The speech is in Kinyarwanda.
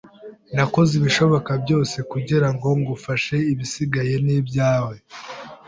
Nakoze ibishoboka byose kugirango ngufashe. Ibisigaye ni ibyawe.